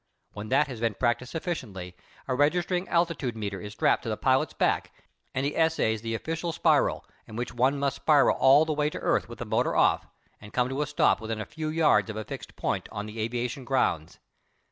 When that has been practised sufficiently, a registering altitude meter is strapped to the pilot's back and he essays the official spiral, in which one must spiral all the way to earth with the motor off, and come to a stop within a few yards of a fixed point on the aviation grounds.